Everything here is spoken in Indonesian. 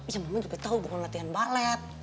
ya mama juga tahu bukan latihan balet